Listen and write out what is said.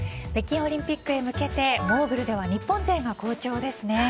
北京オリンピックへ向けてモーグルでは日本勢が好調ですね。